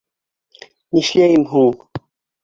Нишләйем һуң?!